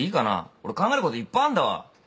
俺考えることいっぱいあんだわ。